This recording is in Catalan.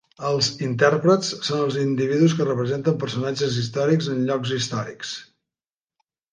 Els "intèrprets" són els individus que representen personatges històrics en llocs històrics.